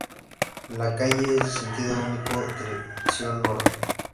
La calle es de sentido único, dirección norte.